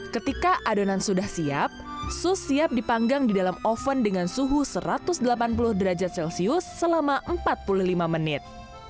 ketika adonan sudah siap sus siap dipanggang di dalam oven dengan suhu satu ratus delapan puluh derajat celcius selama empat puluh lima menit